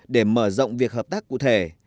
để mở rộng việc hợp tác cụ thể